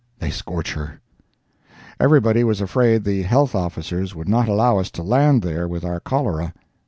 They scorch her! Everybody was afraid the Health Officers would not allow us to land there with our cholera.